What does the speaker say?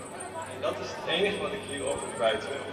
En dat is het enige wat ik hierover kwijt wil.